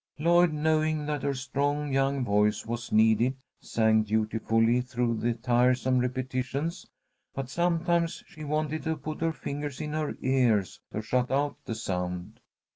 Lloyd, knowing that her strong young voice was needed, sang dutifully through the tiresome repetitions, but sometimes she wanted to put her fingers in her ears to shut out the sound.